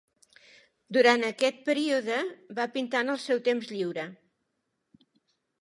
Durant aquest període, va pintar en el seu temps lliure.